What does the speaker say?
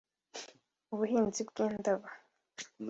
ubuhinzi bw’indabo